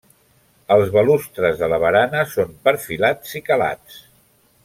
Els balustres de la barana són perfilats i calats.